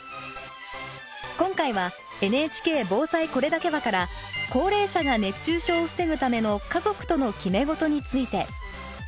今回は「＃ＮＨＫ防災これだけは」から高齢者が熱中症を防ぐための家族との決め事について。